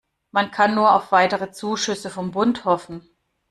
Man kann nur auf weitere Zuschüsse vom Bund hoffen.